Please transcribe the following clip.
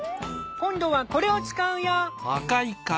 今度はこれを使うよ！